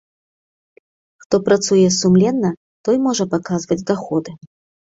Хто працуе сумленна, той можа паказваць даходы.